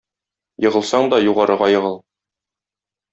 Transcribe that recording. Егылсаң да, югарыга егыл!